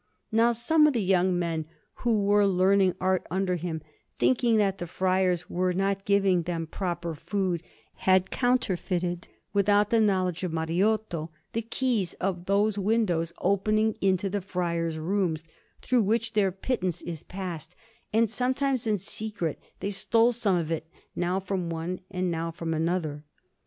Now some of the young men who were learning art under him, thinking that the friars were not giving them proper food, had counterfeited, without the knowledge of Mariotto, the keys of those windows opening into the friar's rooms, through which their pittance is passed; and sometimes, in secret, they stole some of it, now from one and now from another.